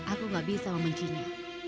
aku nggak bisa membencinya